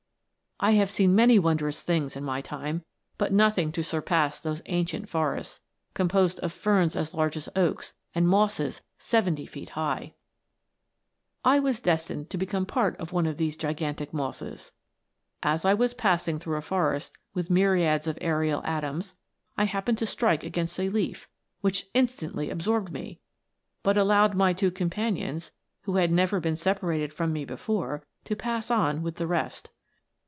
I have seen many wondrous things in my time, but nothing to surpass those ancient forests, composed of ferns as large as oaks, and mosses seventy feet high !" I was destined to become a part of one of these gigantic mosses. As I was passing through a forest with myriads of aerial atoms, I happened to strike against a leaf, which instantly absorbed me, but allowed my two companions, who had never been separated from me before, to pass on with the rest.